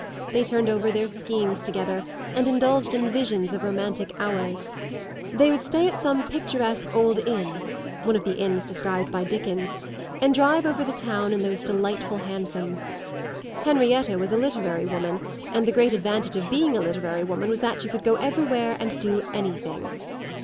They turned over their schemes together and indulged in visions of romantic hours. They would stay at some picturesque old inn one of the inns described by Dickens and drive over the town in those delightful hansoms. Henrietta was a literary woman, and the great advantage of being a literary woman was that you could go everywhere and do everything.